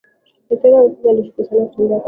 daktari wa mifugo alishukru sana kutembelea shamba